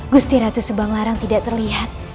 gusti ratu subang lara tidak terlihat